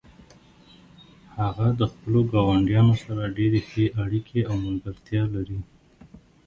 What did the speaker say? هغه د خپلو ګاونډیانو سره ډیرې ښې اړیکې او ملګرتیا لري